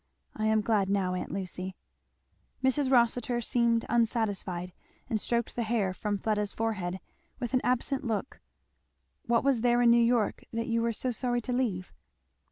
I am glad now, aunt Lucy." Mrs. Rossitur seemed unsatisfied, and stroked the hair from Fleda's forehead with an absent look. "What was there in New York that you were so sorry to leave?"